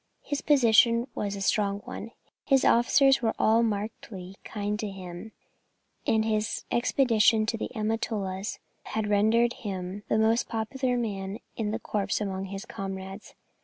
His position was a strong one, his officers were all markedly kind to him, and his expedition into the Amatolas had rendered him the most popular man in the corps among his comrades.